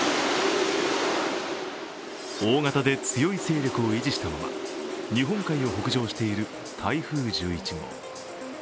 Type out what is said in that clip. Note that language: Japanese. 大型で強い勢力を維持したまま日本海を北上している台風１１号。